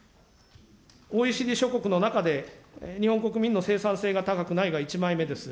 ＯＥＣＤ諸国の中で日本国民の生産性が高くないが１枚目です。